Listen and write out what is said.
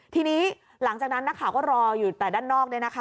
ทีนี้หลังจากนั้นนักข่าวก็รออยู่แต่ด้านนอก